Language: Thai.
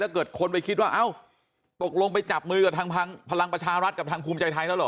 เกิดคนไปคิดว่าเอ้าตกลงไปจับมือกับทางพลังประชารัฐกับทางภูมิใจไทยแล้วเหรอ